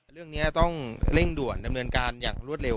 เรื่องนี้ต้องเร่งด่วนดำเนินการอย่างรวดเร็ว